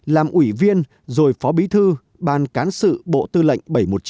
làm ủy viên rồi phó bí thư ban cán sự bộ tư lệnh bảy trăm một mươi chín